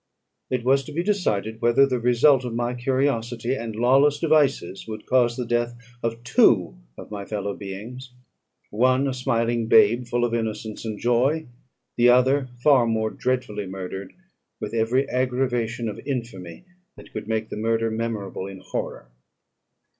It was to be decided, whether the result of my curiosity and lawless devices would cause the death of two of my fellow beings: one a smiling babe, full of innocence and joy; the other far more dreadfully murdered, with every aggravation of infamy that could make the murder memorable in horror.